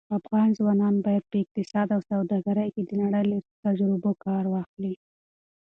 افغان ځوانان باید په اقتصاد او سوداګرۍ کې د نړۍ له تجربو کار واخلي.